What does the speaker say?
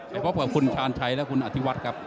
ไปพบกับคุณชาญชัยและคุณอธิวัฒน์ครับ